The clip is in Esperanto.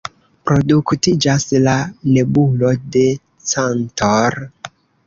Produktiĝas la “nebulo de "Cantor"”.